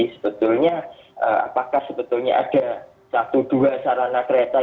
jadi sebetulnya apakah sebetulnya ada satu dua sarana kereta